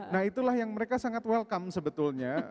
nah itulah yang mereka sangat welcome sebetulnya